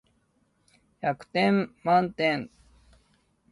百点満点